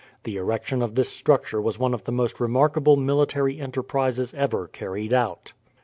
The erection of this structure was one of the most remarkable military enterprises ever carried out.